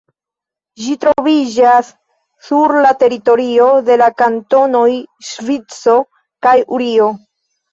Ĝi troviĝas sur la teritorio de la kantonoj Ŝvico kaj Urio.